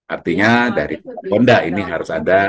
artinya dari honda ini harus ada